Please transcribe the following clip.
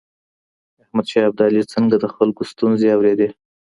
احمد شاه ابدالي څنګه د خلګو ستونزي اورېدې؟